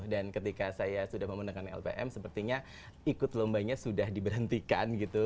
dan ketika saya sudah memenangkan lpm sepertinya ikut lombanya sudah diberhentikan gitu